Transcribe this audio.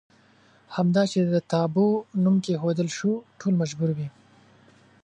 همدا چې د تابو نوم کېښودل شو ټول مجبور وي.